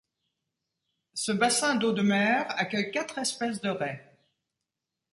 Ce bassin de d’eau de mer accueille quatre espèces de raies.